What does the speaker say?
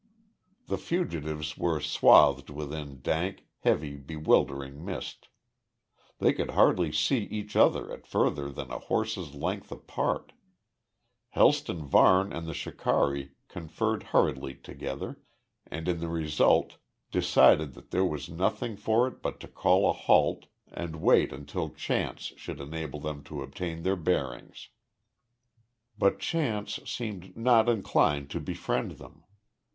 The fugitives were swathed within dank, heavy, bewildering mist. They could hardly see each other at further than a horse's length apart. Helston Varne and the shikari conferred hurriedly together, and in the result decided that there was nothing for it but to call a halt and wait until chance should enable them to obtain their bearings. But chance seemed not inclined to befriend them.